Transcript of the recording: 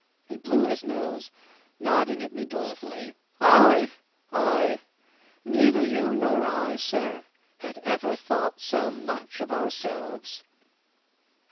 He blew his nose, nodding at me dolefully: "Ay, ay! neither you nor I, sir, had ever thought so much of ourselves."